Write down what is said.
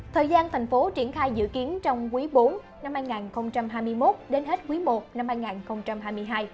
thời gian thành phố triển khai dự kiến trong quý bốn năm hai nghìn hai mươi một đến hết quý i năm hai nghìn hai mươi hai